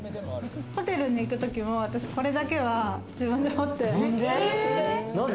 ホテルに行く時も、私、これだけは自分で持って。